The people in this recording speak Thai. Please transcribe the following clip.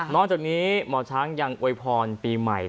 จากนี้หมอช้างยังอวยพรปีใหม่